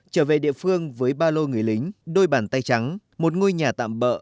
trở về địa phương với ba lô người lính đôi bàn tay trắng một ngôi nhà tạm bỡ